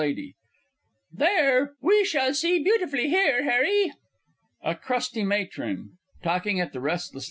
There, we shall see beautifully here, Harry. A CRUSTY MATRON (talking at the R. L.